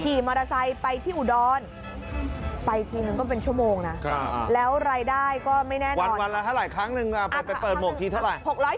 ขี่มอเตอร์ไซค์ไปที่อุดรไปทีนึงก็เป็นชั่วโมงนะแล้วรายได้ก็ไม่แน่นอนวันละเท่าไหร่ครั้งนึงเปิดหมวกทีเท่าไหร่